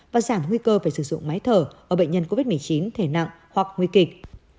và giảm nguy cơ về sử dụng máy thở ở bệnh nhân covid một mươi chín thể nặng hoặc nguy kịch